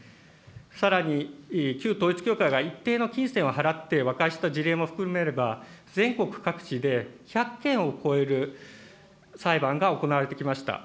さらに旧統一教会が一定の金銭を払って和解した事例も含めれば、全国各地で１００件を超える裁判が行われてきました。